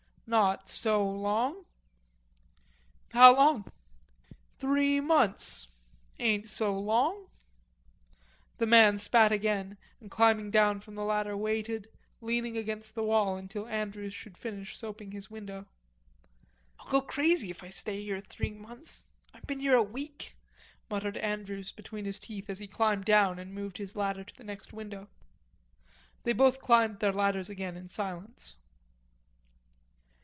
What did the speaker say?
"Not so long." "How long?" "Three months.... Ain't so long." The man spat again, and climbing down from his ladder waited, leaning against the wall, until Andrews should finish soaping his window. "I'll go crazy if I stay here three months.... I've been here a week," muttered Andrews between his teeth as he climbed down and moved his ladder to the next window. They both climbed their ladders again in silence.